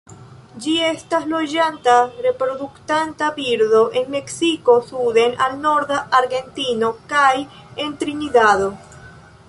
Ĝi estas loĝanta reproduktanta birdo el Meksiko suden al norda Argentino kaj en Trinidado.